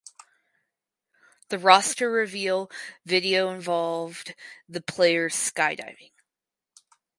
The roster reveal video involved the players skydiving.